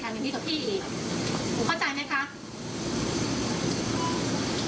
เห็นไหมนี่คือเหตุผลของเขาหมาพี่ไม่ใช่หมาสกปรก